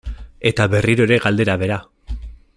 Eta berriro ere galdera bera.